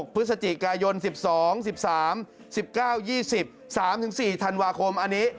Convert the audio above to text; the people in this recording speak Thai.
พฤศจิกายน๑๒๑๓๑๙๒๓๔ธันวาคมอันนี้